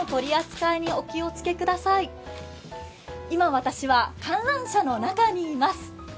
今、私は観覧車の中にいます。